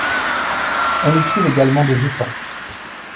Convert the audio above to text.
On y trouve également des étangs.